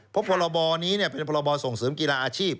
เพราะพรบนี้เป็นพรบส่งเสริมกีฬาอาชีพ